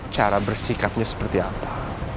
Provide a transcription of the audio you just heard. cara bersikapnya seperti apa